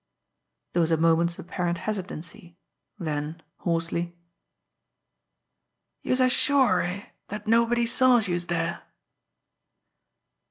There was a moment's apparent hesitancy; then, hoarsely: "Youse are sure, eh, dat nobody saw youse dere?"